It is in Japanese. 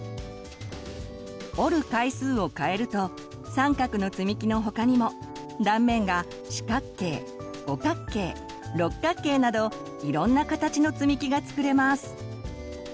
折る回数を変えると三角のつみきの他にも断面が四角形五角形六角形などいろんな形のつみきが作れます。